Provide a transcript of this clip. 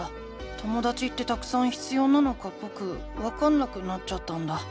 ともだちってたくさん必要なのかぼくわかんなくなっちゃったんだ。